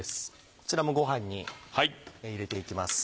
こちらもごはんに入れていきます。